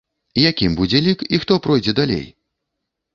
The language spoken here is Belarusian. Якім будзе лік і хто пройдзе далей?